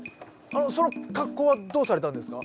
その格好はどうされたんですか？